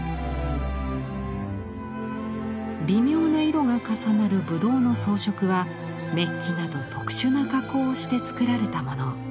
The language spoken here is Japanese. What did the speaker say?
微妙な色が重なるぶどうの装飾はメッキなど特殊な加工をして作られたもの。